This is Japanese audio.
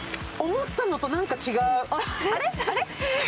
思ったのと何か違う。